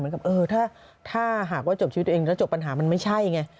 ว่าหากจบชีวิตตัวเองแล้วจบปัญหามันไม่ใช่ไง